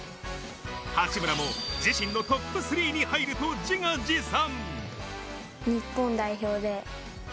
八村も自身のトップ３に入ると自画自賛。